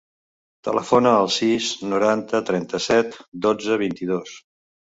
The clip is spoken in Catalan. Telefona al sis, noranta, trenta-set, dotze, vint-i-dos.